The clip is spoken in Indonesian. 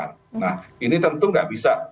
nah ini tentu nggak bisa